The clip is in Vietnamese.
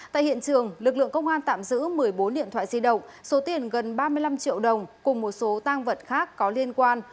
tại hiện trường lực lượng công an tạm giữ một mươi bốn điện thoại di động số tiền gần ba mươi năm triệu đồng cùng một số tăng vật khác có liên quan